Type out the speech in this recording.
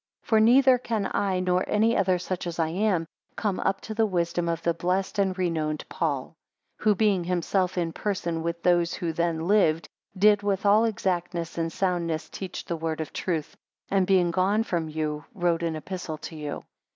2 For neither can i, nor any other such as I am, come up to the wisdom of the blessed and renowned Paul; who being himself in person with those who then lived, did with all exactness and soundness teach the word of truth; and being gone from you wrote an epistle to you.